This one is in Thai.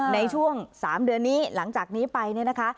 ในช่วง๓เดือนนี้หลังจากนี้ไปเนี่ยนะคะ